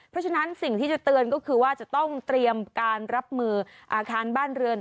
เพราะฉะนั้นสิ่งที่จะเตือนก็คือว่าจะต้องเตรียมการรับมืออาคารบ้านเรือน